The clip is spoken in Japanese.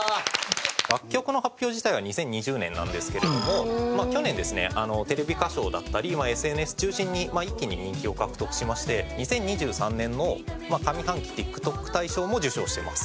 楽曲の発表自体は２０２０年なんですけれども去年ですねテレビ歌唱だったりＳＮＳ中心に一気に人気を獲得しまして２０２３年の上半期ＴｉｋＴｏｋ大賞も受賞してます。